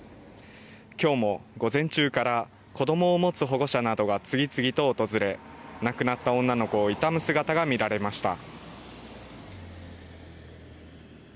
きょうも午前中から子どもを持つ保護者などが次々と訪れ亡くなった女の子を悼む姿が見られました。